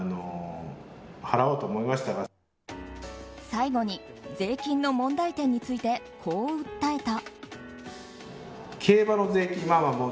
最後に、税金の問題点についてこう訴えた。